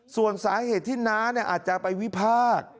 ส่วนสาเหตุที่น้าอาจจะไปวิพากษ์